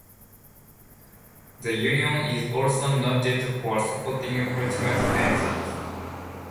The union is also noted for supporting political causes.